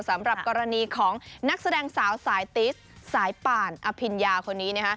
สำหรับกรณีของนักแสดงสาวสายติสสายป่านอภิญญาคนนี้